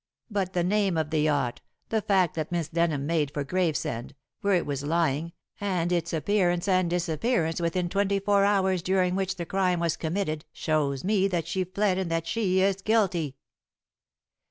But the name of the yacht, the fact that Miss Denham made for Gravesend, where it was lying, and its appearance and disappearance within twenty four hours during which the crime was committed shows me that she fled and that she is guilty."